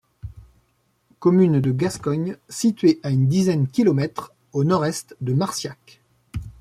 Commune de Gascogne située à une dizaine kilomètres au nord-est de Marciac.